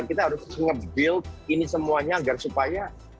kita harus nge build ini semuanya agar supaya